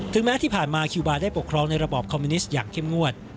แม้ที่ผ่านมาคิวบาร์ได้ปกครองในระบอบคอมมิวนิสต์อย่างเข้มงวด